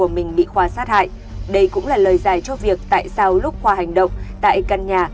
mình bị khoa sát hại đây cũng là lời giải cho việc tại sao lúc khoa hành động tại căn nhà